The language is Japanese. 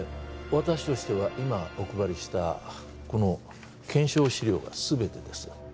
私としては今お配りしたこの検証資料が全てです